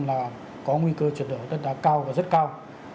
và có nguy cơ triệt lở thất đá cao và rất cao